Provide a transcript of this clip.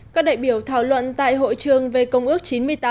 các đại biểu thảo luận tại hội trường về công ước chín mươi tám